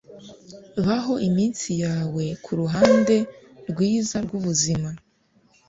baho iminsi yawe kuruhande rwiza rwubuzima